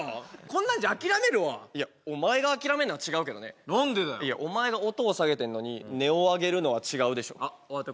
こんなんじゃ諦めるわいやお前が諦めんのは違うけどね何でだよいやお前が音を下げてんのに音を上げるのは違うでしょあっ